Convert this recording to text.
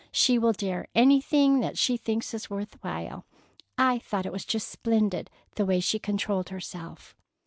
She will dare anything that she thinks is worth while. I thought it was just splendid, the way she controlled herself."